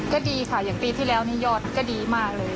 ก็ดีค่ะปีที่แล้วยอดก็ดีมากเลย